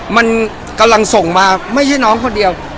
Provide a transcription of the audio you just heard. มันกำลังส่งมาไม่ใช่น้องคนเดียว